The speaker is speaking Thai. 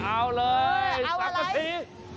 เอาอะไรซ้ำกะศรี